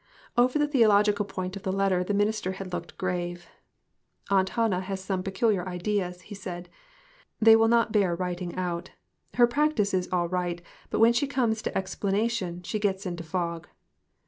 Over the theological portion of the letter the minister had looked grave. "Aunt Hannah has some peculiar ideas," he said; "they will not bear writing out. Her prac tice is all right, but when she comes to explana tion, she gets into fog."